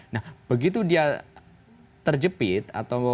nah begitu dia terjepit atau